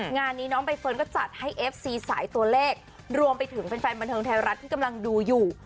งานนี้น้องใบเฟิร์นก็จัดให้เอฟซีสายตัวเลขรวมไปถึงแฟนบันเทิงไทยรัฐที่กำลังดูอยู่